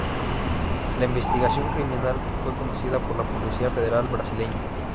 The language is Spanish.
La investigación criminal fue conducida por la Policía Federal Brasileña.